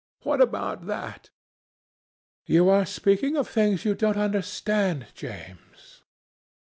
What about that?" "You are speaking about things you don't understand, James.